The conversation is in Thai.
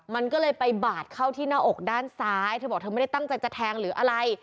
มันก็เลยไปบาดเข้าที่หน้าอกด้านซ้ายเธอบอกเธอไม่ได้ตั้งใจจะแทงหรืออะไร